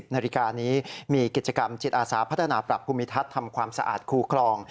นาฬิกานี้มีกิจกรรมจิตอาสาพัฒนาปรับภูมิทัศน์ทำความสะอาดคูคลอง